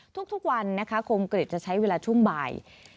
ทุกวันนะคะคมกริจจะใช้เวลาช่วงบ่าย